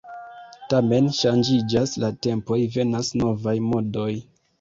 Tamen ŝanĝiĝas la tempoj, venas novaj modoj.